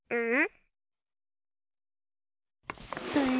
うん？